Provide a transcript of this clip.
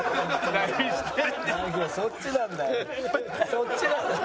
そっちなんだよ。